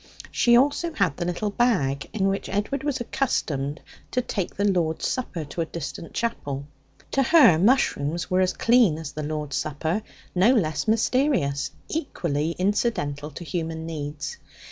She also had the little bag in which Edward was accustomed to take the Lord's Supper to a distant chapel. To her, mushrooms were as clean as the Lord's Supper, no less mysterious, equally incidental to human needs.